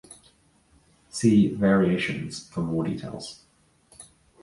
See "Variations" for more details.